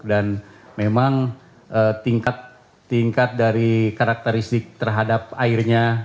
dan memang tingkat dari karakteristik terhadap airnya